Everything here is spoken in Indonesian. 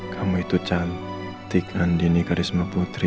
kamu itu cantik andini karisma putri